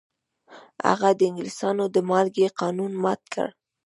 هغه د انګلیسانو د مالګې قانون مات کړ.